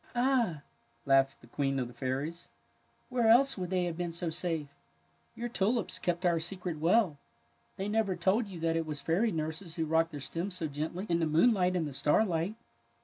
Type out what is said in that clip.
'^ Ah," laughed the Queen of the Fairies, '^ where else would they have been so safe? Your tulips kept our secret well. ^^ They never told you that it was fairy nurses who rocked their stems so gently 36 THE NARCISSUS AND TULIP in the moonlight and the starlight.